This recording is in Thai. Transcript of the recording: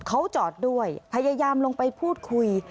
เขาจอดด้วยพยายามลงไปพูดคุย